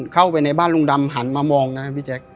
เข้าไปในบ้านลุงดำหันมามองนะครับพี่แจ๊ค